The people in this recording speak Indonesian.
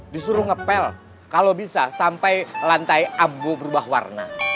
disuruh ngepel kalo bisa sampe lantai ambo berubah warna